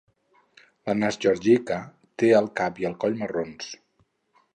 L'Anas georgica té el cap i el coll marrons.